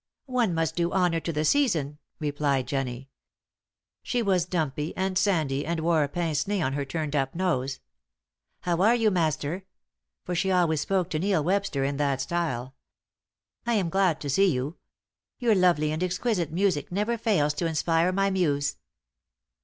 "One must do honour to the season," replied Jennie. She was dumpy and sandy and wore a pince nez on her turned up nose. "How are you, Master?" For she always spoke to Neil Webster in that style. "I am glad to see you. Your lovely and exquisite music never fails to inspire my muse."